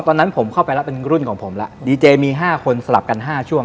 ตอนนั้นผมเข้าไปแล้วเป็นรุ่นของผมแล้วดีเจมี๕คนสลับกัน๕ช่วง